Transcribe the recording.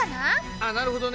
あなるほどね！